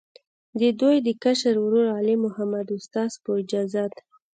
د دوي د کشر ورور، علي محمد استاذ، پۀ اجازت